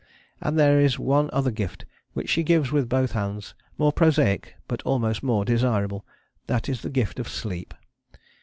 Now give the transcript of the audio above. And there is one other gift which she gives with both hands, more prosaic, but almost more desirable. That is the gift of sleep.